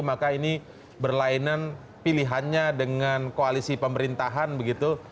maka ini berlainan pilihannya dengan koalisi pemerintahan begitu